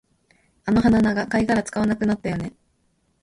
あの鼻長、貝殻使わなくなったよね